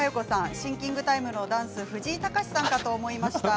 シンキングタイムのダンス藤井隆さんかと思いました